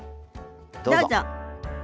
どうぞ。